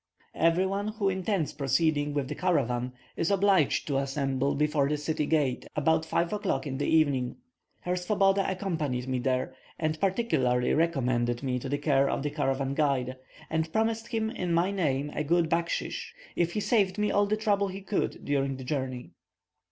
Every one who intends proceeding with the caravan is obliged to assemble before the city gate about 5 o'clock in the evening. Herr Swoboda accompanied me there, and particularly recommended me to the care of the caravan guide, and promised him in my name a good bachshish if he saved me all the trouble he could during the journey.